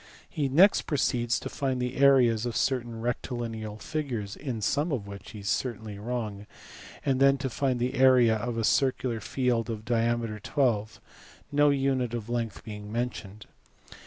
He next proceeds to find the areas of certain rectilineal figures (in some of which he is certainly wrong) and then to find the area of a circular 6eld of diameter 12 no unit of length . mentioned.